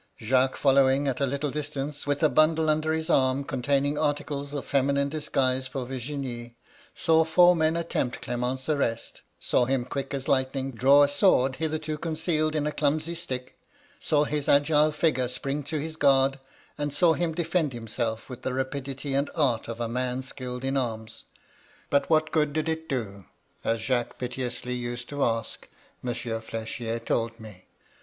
Jacques, following at a little distance, with a bundle under his arm containing articles of feminine disguise for Virginie, saw four men attempt Clement's arrest — saw him, quick as lightning, draw a sword hitherto concealed in a clumsy stick — saw his agile figure spring to his guard, — and saw him defend himself with the 180 MY LADY LUDLOW. rapidity and art of a man skilled in arms. But what good did it do? as Jacques piteously used ta aak^ Monsieur Hechier told me.